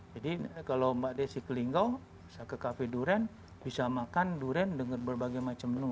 jadi kalau mbak desi ke linggau bisa ke cafe durian bisa makan durian dengan berbagai macam menu